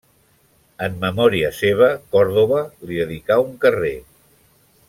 En memòria seva, Còrdova li dedicà un carrer.